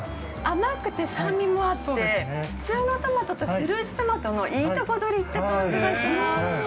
甘くて酸味もあって普通のトマトとフルーツトマトのいいとこどりって感じがします。